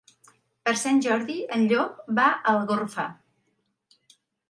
Per Sant Jordi en Llop va a Algorfa.